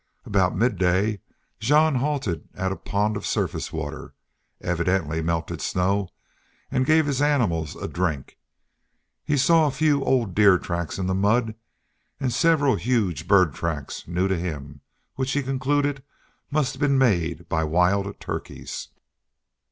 About midday Jean halted at a pond of surface water, evidently melted snow, and gave his animals a drink. He saw a few old deer tracks in the mud and several huge bird tracks new to him which he concluded must have been made by wild turkeys.